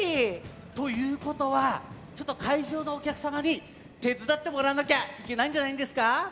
ということはちょっとかいじょうのおきゃくさまにてつだってもらわなきゃいけないんじゃないんですか？